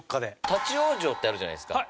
立ち往生ってあるじゃないですか。